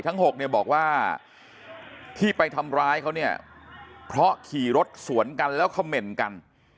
๖เนี่ยบอกว่าที่ไปทำร้ายเขาเนี่ยเพราะขี่รถสวนกันแล้วเขม่นกัน